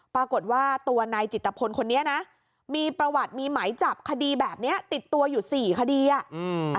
ปรากฏว่าตัวนายจิตพลคนนี้นะมีประวัติมีหมายจับคดีแบบเนี้ยติดตัวอยู่สี่คดีอ่ะอืม